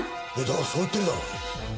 だからそう言ってるだろ。